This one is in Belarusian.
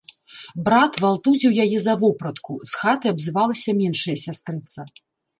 Брат валтузіў яе за вопратку, з хаты абзывалася меншая сястрыца.